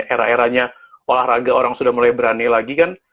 era eranya olahraga orang sudah mulai berani lagi kan